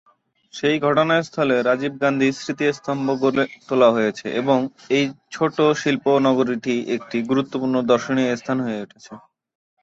সেই ঘটনাস্থলে রাজীব গান্ধী স্মৃতি স্তম্ভ গড়ে তলা হয়েছে এবং এই ছোট শিল্প নগরীটি একটি গুরুত্বপূর্ণ দর্শনীয় স্থান হয়ে উঠেছে।